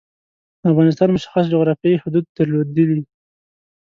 افغانستان مشخص جعرافیايی حدود درلودلي.